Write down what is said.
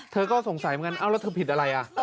เธอก็สงสัยเหมือนกันเอ้าแล้วเธอผิดอะไร